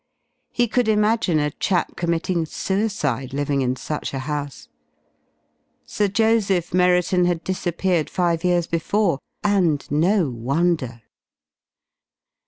He could imagine a chap committing suicide living in such a house. Sir Joseph Merriton had disappeared five years before and no wonder!